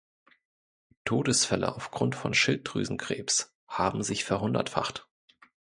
Todesfälle aufgrund von Schilddrüsenkrebs haben sich verhundertfacht.